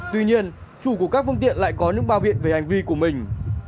tuy nhiên chủ của các vương tiện lại có những bao viện về hành vi của mình